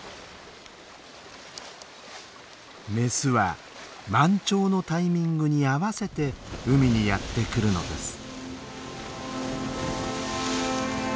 メスは満潮のタイミングに合わせて海にやって来るのです。